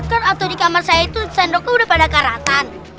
kan waktu di kamar saya itu sendoknya udah pada karatan